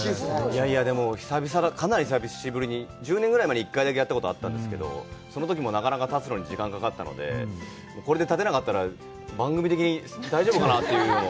いやいや、でも久々、かなり久しぶりに、１０年ぐらい前に１回だけやったことがあったんですけど、そのときもなかなか立つのに時間がかかったので、これで立てなかったら番組的に大丈夫かなという。